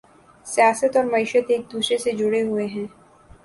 سیاست اور معیشت ایک دوسرے سے جڑے ہوئے ہیں